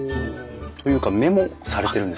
というかメモされてるんですね。